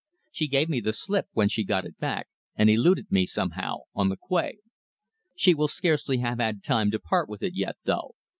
She gave me the slip when she got it back, and eluded me, somehow, on the quay. She will scarcely have had time to part with it yet, though.